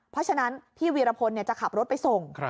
เพราะฉะนั้นพี่วีรพลจะขับรถไปส่ง